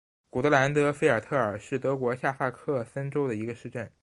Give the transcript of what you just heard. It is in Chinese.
古德兰德菲尔特尔是德国下萨克森州的一个市镇。